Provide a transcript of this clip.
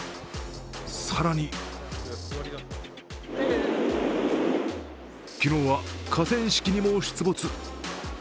更に昨日は河川敷にも出没。